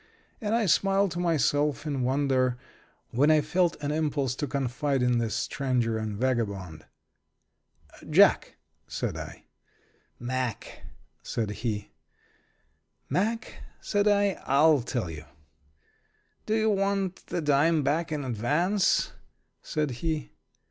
And I smiled to myself in wonder when I felt an impulse to confide in this stranger and vagabond. "Jack," said I. "Mack," said he. "Mack," said I, "I'll tell you." "Do you want the dime back in advance?" said he.